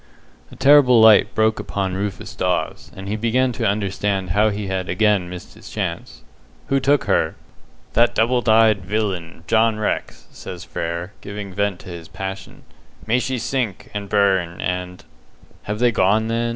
A terrible light broke upon Rufus Dawes, and he began to understand how he had again missed his chance. "Who took her?" "That double dyed villain, John Rex," says Frere, giving vent to his passion. "May she sink, and burn, and " "Have they gone, then?"